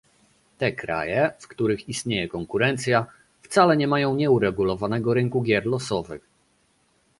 Te kraje, w których istnieje konkurencja, wcale nie mają nieuregulowanego rynku gier losowych